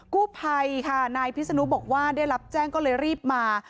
กู้ภัยค่ะนายพิศนุบอกว่าได้รับแจ้งก็เลยรีบมา